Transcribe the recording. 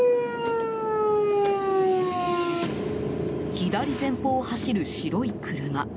左前方を走る白い車。